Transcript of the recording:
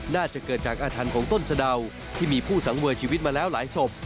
น่าจะเกิดจากอาถรรพ์ของต้นสะดาวที่มีผู้สังเวยชีวิตมาแล้วหลายศพ